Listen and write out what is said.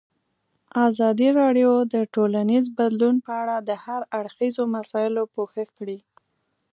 ازادي راډیو د ټولنیز بدلون په اړه د هر اړخیزو مسایلو پوښښ کړی.